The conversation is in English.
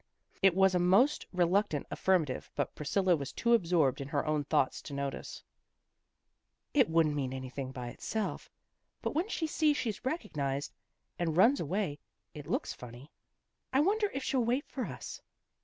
It was a most reluctant affirma tive, but Priscilla was too absorbed in her own thoughts to notice. " It wouldn't mean anything by itself. But when she sees she's recognized, and runs away, it looks funny. I wonder if she'll wait for us?